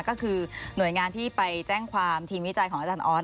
ก็คือหน่วยงานที่ไปแจ้งความทีมวิจัยของอาจารย์ออส